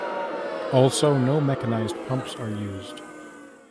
Also, no mechanized pumps are used.